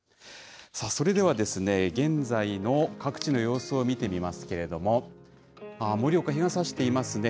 それでは、現在の各地の様子を見てみますけれども、盛岡、日がさしていますね。